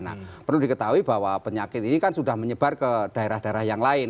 nah perlu diketahui bahwa penyakit ini kan sudah menyebar ke daerah daerah yang lain